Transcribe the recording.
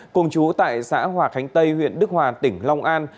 cùng chú tại xã hòa khánh tây huyện đức hòa tỉnh long an